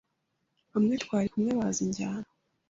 Bamwe twari kumwe bazi injyana